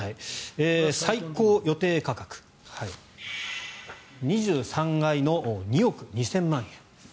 最高予定価格２３階の２億２０００万円。